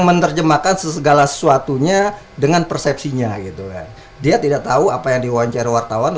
menerjemahkan segala sesuatunya dengan persepsinya itu dia tidak tahu apa yang diwawancara wartawan